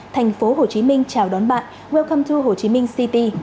thành phố hồ chí minh chào đón bạn welcome to hồ chí minh city